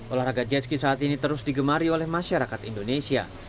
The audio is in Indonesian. olahraga jetski saat ini terus digemari oleh masyarakat indonesia